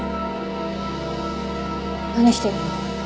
何してるの？